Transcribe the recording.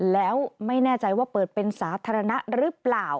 แล้วไม่แน่ใจว่าเปิดเป็นสาธารณะหรือเปล่า